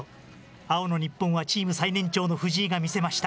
青の日本はチーム最年長の藤井が見せました。